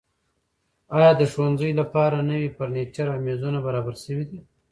ایا د ښوونځیو لپاره نوي فرنیچر او میزونه برابر شوي دي؟